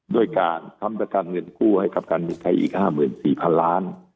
ด้วยการทำตกรรมเงินกู้ให้กรรมการบินไทยอีก๕๔๐๐๐ล้าน